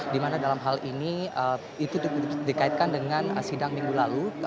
di mana dalam hal ini itu dikaitkan dengan sidang minggu lalu